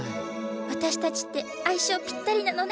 私たちって相性ぴったりなのね。